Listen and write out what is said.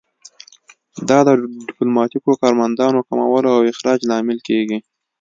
دا د ډیپلوماتیکو کارمندانو کمولو او اخراج لامل کیږي